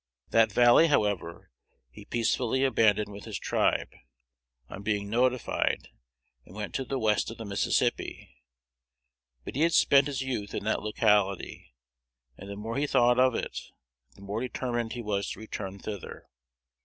That valley, however, he peacefully abandoned with his tribe, on being notified, and went to the west of the Mississippi; but he had spent his youth in that locality, and the more he thought of it, the more determined he was to return thither.